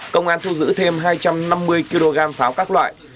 công an thu giữ thêm hai trăm năm mươi kg pháo các loại